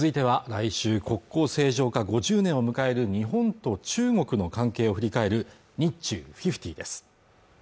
来週国交正常化５０年を迎える日本と中国の関係を振り返る日中５０です